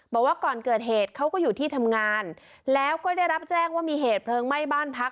บอกว่าก่อนเกิดเหตุเขาก็อยู่ที่ทำงานแล้วก็ได้รับแจ้งว่ามีเหตุเพลิงไหม้บ้านพัก